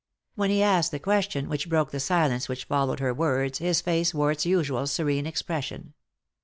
When he asked the question which broke the silence which followed her words his face wore its usual serene expression.